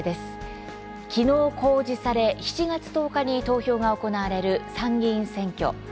昨日公示され７月１０日に投票が行われる参議院選挙。